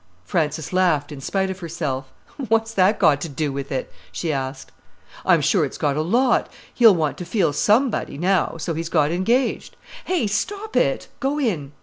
Frances laughed in spite of herself. "What's that got to do with it?" she asked. "I'm sure it's got a lot. He'll want to feel somebody now, so he's got engaged. Hey, stop it; go in!"